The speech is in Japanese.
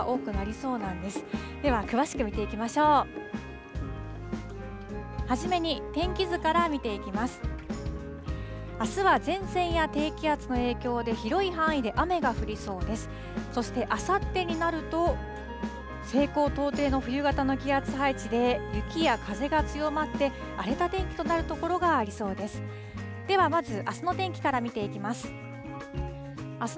そしてあさってになると、西高東低の冬型の気圧配置で、雪や風が強まって、荒れた天気となる所がありそうです。